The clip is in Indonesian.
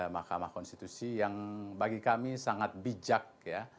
makamah konstitusi yang bagi kami sangat bijak